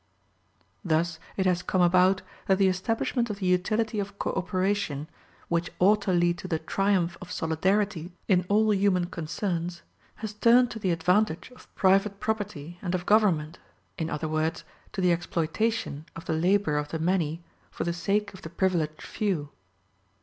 Thus it has come about that the establishment of the utility of co operation, which ought to lead to the triumph of solidarity in all human concerns, has turned to the advantage of private property and of government; in other words, to the exploitation of the labor of the many, for the sake of the privileged few.